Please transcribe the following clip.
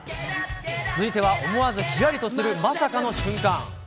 続いては思わずひやりとするまさかの瞬間。